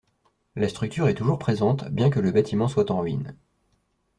La structure est toujours présente bien que le bâtiment soit en ruines.